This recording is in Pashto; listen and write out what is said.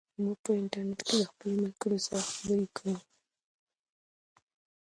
موږ په انټرنیټ کې له خپلو ملګرو سره خبرې کوو.